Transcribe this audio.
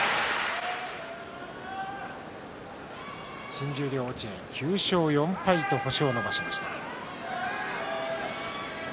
新十両落合９勝４敗と星を伸ばしました。